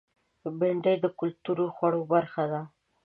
بېنډۍ د کلتور خوړو برخه ده